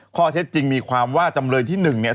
ข้อเท็จจริงมีความว่าจำเลยที่๑เนี่ย